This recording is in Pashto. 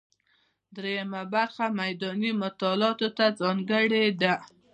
درېیمه برخه میداني مطالعاتو ته ځانګړې ده.